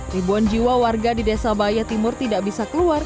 ribuan jiwa warga di desa bayah timur tidak bisa keluar